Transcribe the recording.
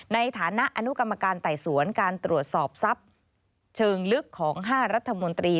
ในฐานะอนุกรรมการไต่สวนการตรวจสอบทรัพย์เชิงลึกของ๕รัฐมนตรี